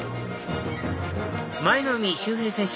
舞の海秀平選手